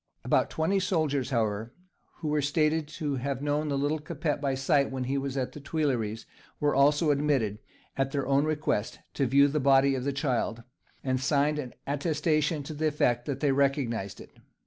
About twenty soldiers, however, who are stated to have known the "little Capet" by sight when at the Tuileries, were also admitted, at their own request, to view the body of the child, and signed an attestation to the effect that they recognized it.